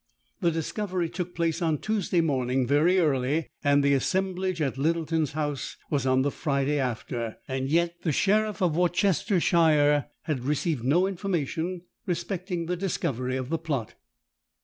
The discovery took place on Tuesday morning very early: and the assemblage at Littleton's house was on the Friday after; and yet the sheriff of Worcestershire had received no information respecting the discovery of the plot.